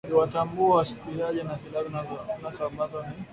iliwatambua washtakiwa na silaha zilizonaswa ambazo ni